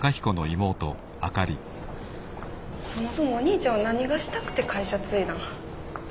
そもそもお兄ちゃんは何がしたくて会社継いだん？